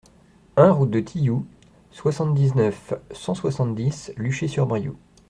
un route de Tillou, soixante-dix-neuf, cent soixante-dix, Luché-sur-Brioux